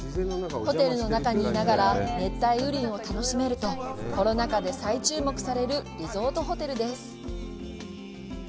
ホテルの中にいながら熱帯雨林を楽しめるとコロナ禍で再注目されるリゾートホテルです。